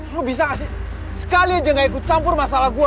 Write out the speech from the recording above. lu bisa nggak sih sekali aja nggak ikut campur masalah gue ha